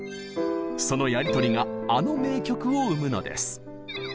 そのやり取りがあの名曲を生むのです。